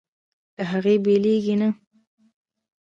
له هغې بېلېږي نه.